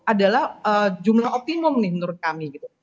adalah jumlah optimum nih menurut kami gitu